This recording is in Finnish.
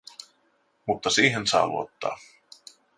Mutta siihen saa luottaa.